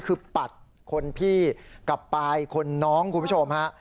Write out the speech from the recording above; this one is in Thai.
คือปัดคนพี่กับปลายคนน้องคุณผู้ชมฮะ